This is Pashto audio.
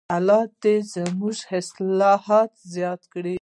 الله دې زموږ حاصلات زیات کړي.